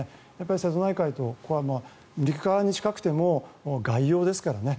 瀬戸内海とここは陸側に近くても外洋ですからね。